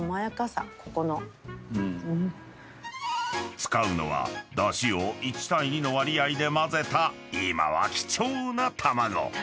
［使うのはだしを１対２の割合で混ぜた今は貴重な卵］